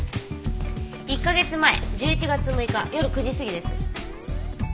１カ月前１１月６日夜９時過ぎです。